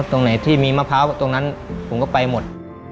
ตรงไหนที่มีมะพร้าวตรงนั้นผมก็ไปหมด